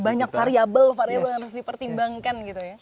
banyak variable variable yang harus dipertimbangkan gitu ya